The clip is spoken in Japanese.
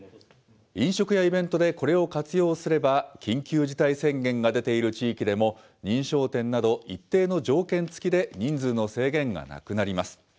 飲食やイベントでこれを活用すれば、緊急事態宣言が出ている地域でも、認証店など一定の条件付きで人数の制限がなくなります。